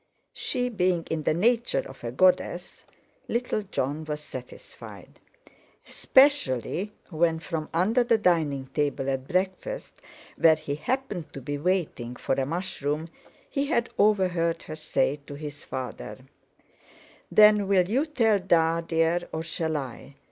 She, being in the nature of a goddess, little Jon was satisfied; especially when, from under the dining table at breakfast, where he happened to be waiting for a mushroom, he had overheard her say to his father: "Then, will you tell 'Da,' dear, or shall I?